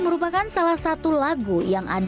aku akan berubah